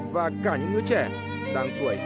và cả những người trẻ đang tuổi ăn học